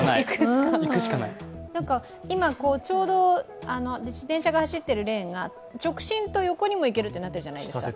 今、ちょうど自転車が走っているレーンが直進と横にも行けるってなってるじゃないですか。